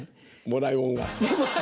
もらいもんが！